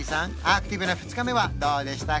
アクティブな２日目はどうでしたか？